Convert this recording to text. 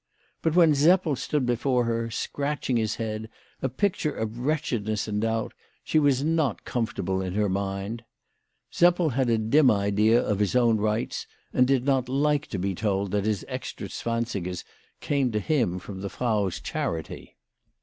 But when Seppel stood before her, scratching his head, a picture of wretchedness and doubt, she was not com fortable in her mind. Seppel had a dim idea of his own rights, and did not like to be told that his extra zwansigers came to him from the Frau's charity.